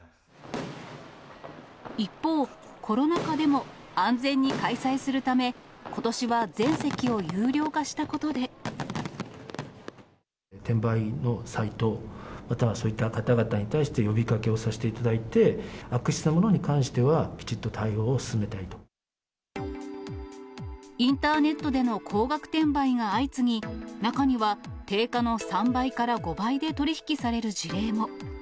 一方、コロナ禍でも安全に開催するため、転売のサイト、またはそういった方々に対して呼びかけをさせていただいて、悪質なものに関しては、インターネットでの高額転売が相次ぎ、中には定価の３倍から５倍で取り引きされる事例も。